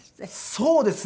そうですね。